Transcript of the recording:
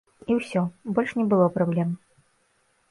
І ўсё, больш не было праблем.